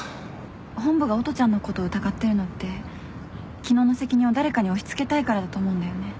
本部が音ちゃんのこと疑ってるのって昨日の責任を誰かに押し付けたいからだと思うんだよね。